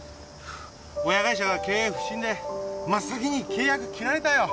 親会社が経営不振で真っ先に契約切られたよ。